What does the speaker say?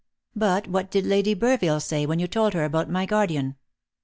But what did Lady Burville say when you told her about my guardian?"